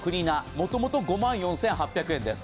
もともと５万４８００円です。